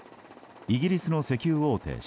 イギリスの石油大手